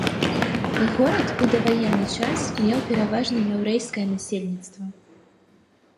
Горад у даваенны час меў пераважна яўрэйскае насельніцтва.